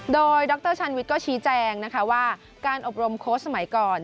โดยดรชันวิทย์ก็ชี้แจงนะคะว่าการอบรมโค้ชสมัยก่อน